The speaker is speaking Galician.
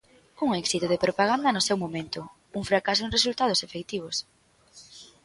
Un éxito de propaganda no seu momento, un fracaso en resultados efectivos.